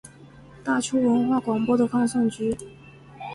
大邱文化广播的放送局。